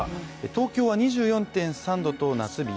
東京は２４．３度と夏日